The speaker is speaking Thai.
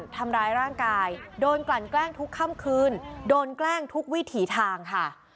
ทำร้ายร่างกายโดนกลั่นแกล้งทุกค่ำคืนโดนแกล้งทุกวิถีทางค่ะ